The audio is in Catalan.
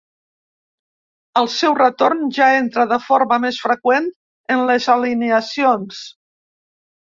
Al seu retorn ja entra de forma més freqüent en les alineacions.